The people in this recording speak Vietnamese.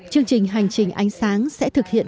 chương trình hành trình ánh sáng sẽ thực hiện